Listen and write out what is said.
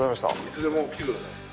いつでも来てください。